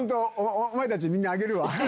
お前たち、みんな、あげるわ。